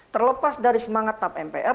terlepas dari semangat tap mpr